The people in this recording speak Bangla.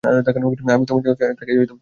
আমি তোমার জন্য তাকে ছেড়ে চলে এসেছি।